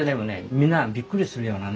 みんながびっくりするようなね